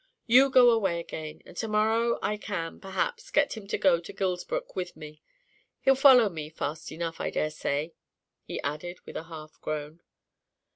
"You go away again, and to morrow I can, perhaps, get him to go to Gilsbrook with me. He'll follow me fast enough, I daresay," he added, with a half groan.